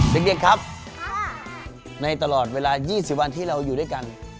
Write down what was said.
เด็กเด็กครับค่ะในตลอดเวลายี่สิบวันที่เราอยู่ด้วยกัน